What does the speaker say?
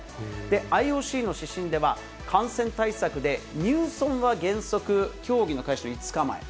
ＩＯＣの指針では、感染対策で入村は原則、競技の開始の５日前。